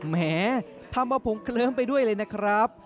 แหมทำเอาผมเคลิ้มไปด้วยเลยนะครับ